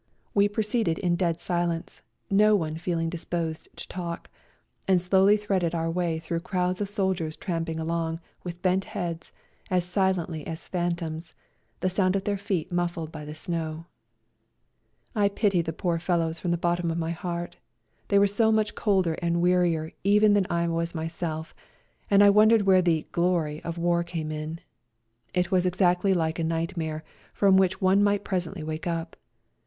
We proceeded in dead silence, no one feeling disposed to talk, and slowly threaded our way through crowds of soldiers tramping along, with bent heads, as silently as phantoms, the sound of their feet muffled by the snow. A RIDE TO KALAEAC I pitied the poor fellows from the bottom of my heart — they were so much colder and wearier even than I was myself, and I wondered where the " glory " of war came in. It was exactly like a nightmare, from which one might presently wake up.